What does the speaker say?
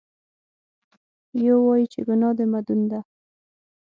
یو وایي چې ګناه د مدون ده.